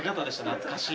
懐かしい。